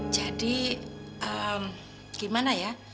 jadi ehm gimana ya